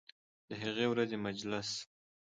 د هغې ورځې مجلس